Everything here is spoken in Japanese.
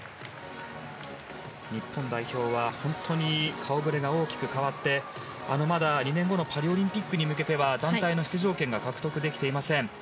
日本代表は本当に顔ぶれが大きく変わってまだ２年後のパリオリンピックに向けては団体の出場権が獲得できていません。